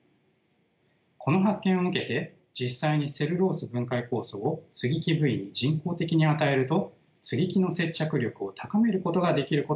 この発見を受けて実際にセルロース分解酵素を接ぎ木部位に人工的に与えると接ぎ木の接着力を高めることができることも分かりました。